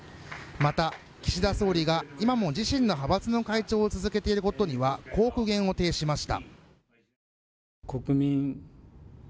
また岸田総理が今も自身の派閥の会長を続けている事にはこう苦言を呈しました